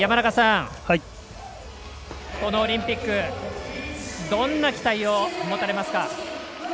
このオリンピックどんな期待を持たれますか？